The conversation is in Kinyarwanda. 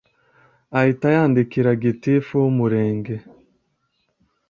ahita yandikira gitifu w’umurenge